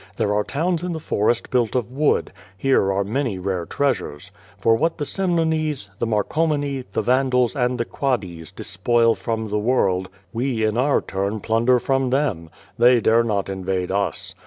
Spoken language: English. There are towns in the forest built of wood. Here are many rare treasures. For what tlie Semnones, the Mar comani, the Vandals and the Quades despoil from the world we in our turn plunder from them. They dare not invade us.